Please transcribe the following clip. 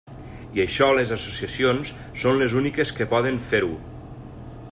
I això les associacions són les úniques que poden fer-ho.